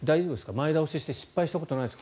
前倒しして失敗したことないですか？